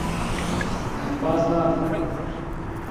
Em baz nadin.